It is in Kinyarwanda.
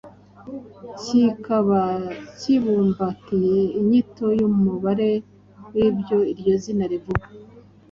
kikaba kibumbatiye inyito y’umubare w’ibyo iryo zina rivuga